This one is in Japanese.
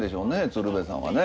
鶴瓶さんはね。